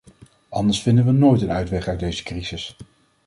Anders vinden we nooit een uitweg uit deze crisis.